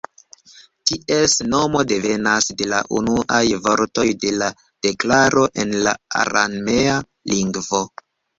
Ties nomo devenas de la unuaj vortoj de la deklaro en la aramea lingvo.